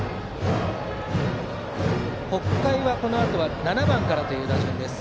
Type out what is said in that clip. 北海はこのあと７番からという打順です。